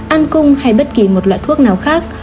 an cung hay bất kỳ một loại thuốc nào khác